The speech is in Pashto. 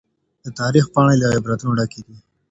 د تاريخ پاڼي له عبرتونو ډکي دي.